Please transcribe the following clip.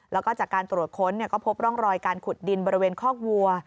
แล้วก็จากการตรวจค้นก็พบร่องรอยการขุดดินบริเวณคอกวัว